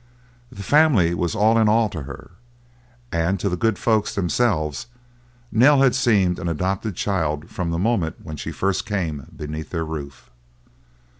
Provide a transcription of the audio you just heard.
This family was all in all to her, and to the good folks themselves Nell had seemed an adopted child from the moment when she first came beneath their roof.